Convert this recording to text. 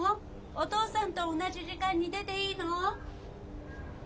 お父さんと同じ時間に出ていいの？